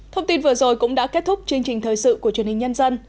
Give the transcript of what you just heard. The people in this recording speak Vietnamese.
thông tin vừa rồi cũng đã kết thúc chương trình thời sự của truyền hình nhân dân